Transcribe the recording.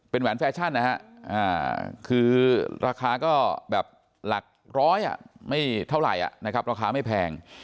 แหวนแฟชั่นนะฮะคือราคาก็แบบหลักร้อยไม่เท่าไหร่นะครับราคาไม่แพง